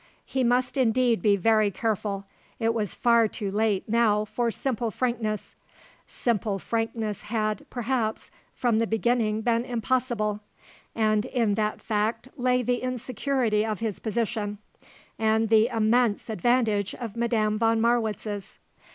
He must indeed be very careful. It was far too late, now, for simple frankness; simple frankness had, perhaps, from the beginning been impossible and in that fact lay the insecurity of his position, and the immense advantage of Madame von Marwitz's.